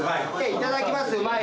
いただきますうまい！